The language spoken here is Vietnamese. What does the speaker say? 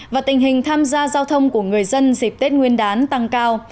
và tình hình tham gia giao thông của người dân dịp tết nguyên đán tăng cao